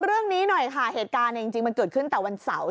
เรื่องนี้หน่อยค่ะเหตุการณ์จริงมันเกิดขึ้นแต่วันเสาร์